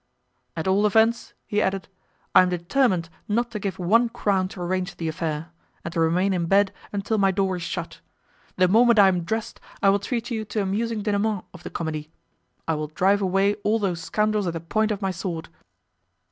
"At all events," he added, "I am determined not to give one crown to arrange the affair, and to remain in bed until my door is shut. The moment I am dressed, I will treat you to an amusing denouement of the comedy. I will drive away all those scoundrels at the point of my sword."